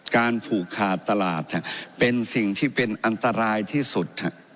การผูกขาดตลาดเป็นสิ่งที่เป็นอันตรายที่สุด